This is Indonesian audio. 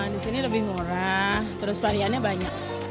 di sini lebih murah terus variannya banyak